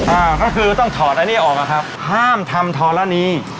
อ่าก็คือต้องถอดอันนี้ออกอะครับห้ามทำธรณี